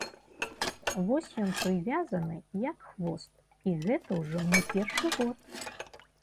Вось ён прывязаны, як хвост, і гэта ўжо не першы год.